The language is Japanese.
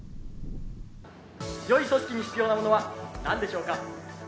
よい組織に必要なものはなんでしょうか。